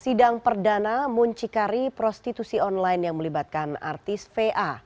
sidang perdana muncikari prostitusi online yang melibatkan artis va